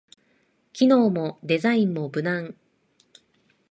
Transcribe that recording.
機能もデザインも無難